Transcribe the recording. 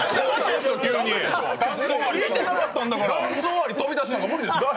ダンス終わり飛び出したんだから無理ですよ。